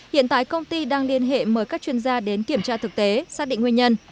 hiện tại công ty đang liên hệ mời các chuyên gia đến kiểm tra thực tế xác định nguyên nhân